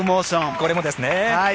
これもですね。